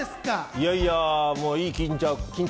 いやいや、いい緊張。